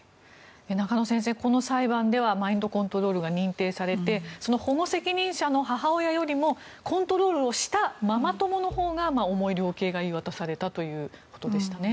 中野先生、この裁判ではマインドコントロールが認定されてその保護責任者の母親よりもコントロールしたママ友のほうが重い量刑が言い渡されたということでしたね。